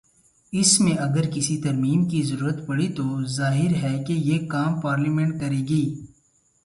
اس میں اگر کسی ترمیم کی ضرورت پڑی تو ظاہر ہے کہ یہ کام پارلیمنٹ کر ے گی۔